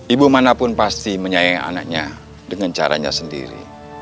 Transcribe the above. ibu manapun pasti menyayangi anaknya dengan caranya sendiri